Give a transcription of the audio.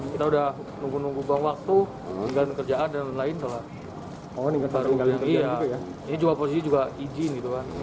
kita udah nunggu nunggu buang waktu dengan kerjaan dan lain lain